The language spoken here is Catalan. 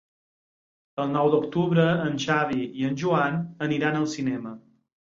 El nou d'octubre en Xavi i en Joan aniran al cinema.